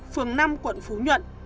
phường năm quận phú nhuận